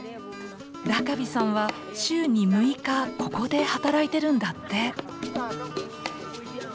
ラカビさんは週に６日ここで働いてるんだって。